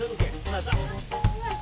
また。